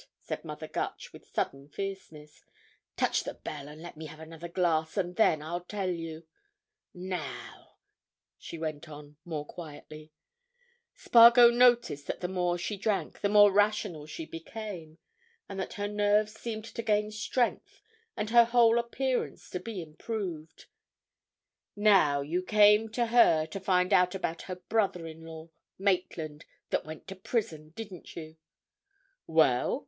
said Mother Gutch with sudden fierceness. "Touch the bell, and let me have another glass, and then I'll tell you. Now," she went on, more quietly—Spargo noticed that the more she drank, the more rational she became, and that her nerves seemed to gain strength and her whole appearance to be improved—"now, you came to her to find out about her brother in law, Maitland, that went to prison, didn't you?" "Well?"